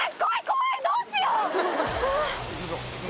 怖いどうしよう。